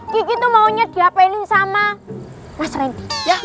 kiki tuh maunya diapelin sama mas rendy